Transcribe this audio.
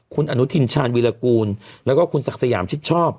คุณอนุทินชาญวีรกูลแล้วก็คุณศักดิ์สยามชิดชอบ